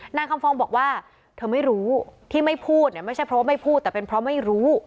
นางคำฟองบอกว่าเธอไม่รู้ที่ไม่พูดเนี่ยไม่ใช่เพราะว่าไม่พูดแต่เป็นเพราะไม่รู้